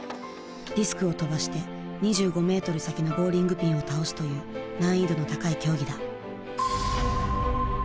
ディスクを飛ばして２５メートル先のボウリングピンを倒すという難易度の高い競技だ。